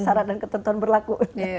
syarat dan ketentuan berlaku